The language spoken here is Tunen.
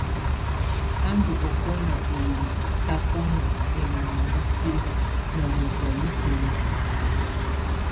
Á ndù ɔkɔna ú hiwǝ́ tabɔnà ɛŋana mǝsisǝ na miɔkɔ ifǝndiǝ.